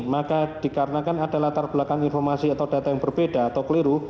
maka dikarenakan ada latar belakang informasi atau data yang berbeda atau keliru